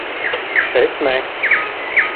Es ne...